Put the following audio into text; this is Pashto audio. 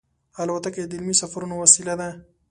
الوتکه د علمي سفرونو وسیله ده.